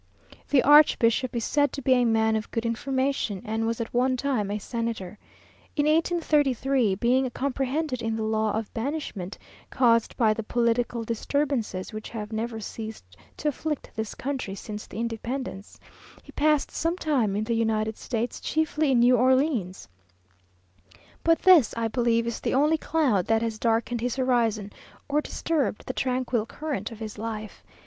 The archbishop is said to be a man of good information, and was at one time a senator. In 1833, being comprehended in the law of banishment, caused by the political disturbances which have never ceased to afflict this country since the independence, he passed some time in the United States, chiefly in New Orleans; but this, I believe, is the only cloud that has darkened his horizon, or disturbed the tranquil current of his life.